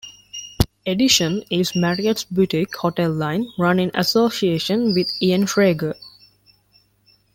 "Edition" is Marriott's boutique hotel line, run in association with Ian Schrager.